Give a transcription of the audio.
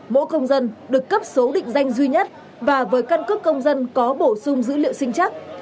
mỗi công dân được cấp số định danh duy nhất và với căn cước công dân có bổ sung dữ liệu sinh chắc